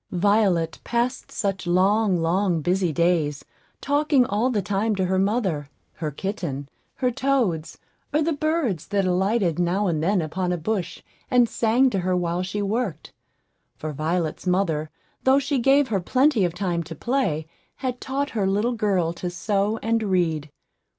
Violet passed such long, long, busy days, talking all the time to her mother, her kitten, her toads, or the birds that alighted now and then upon a bush, and sang to her while she worked; for Violet's mother, though she gave her plenty of time to play, had taught her little girl to sew and read.